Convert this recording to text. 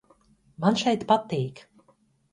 Man šeit patīk!